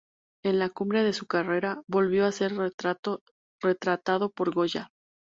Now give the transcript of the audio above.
En la cumbre de su carrera volvió a ser retratado por Goya.